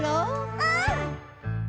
うん。